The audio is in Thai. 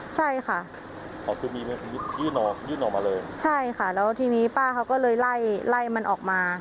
ใช่ค่ะแล้วทีนี้ป้าเขาก็เลยไล่ไล่มันออกมา